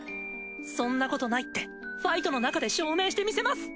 そんなことないってファイトのなかで証明してみせます！